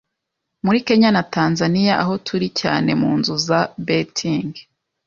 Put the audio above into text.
muri Kenya na Tanzania, aho turi cyane mu nzu za 'betting'".